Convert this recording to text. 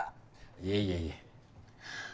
いえいえいえ。